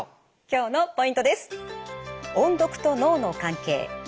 今日のポイントです。